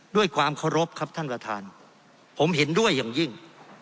ด้วยความเคารพครับท่านประธานผมเห็นด้วยอย่างยิ่ง